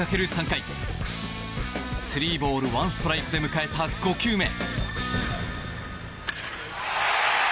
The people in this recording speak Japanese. ３回３ボール２ストライクで迎えた５球目。